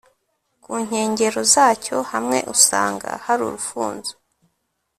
ku nkengero zacyo hamwe usanga hari urufunzo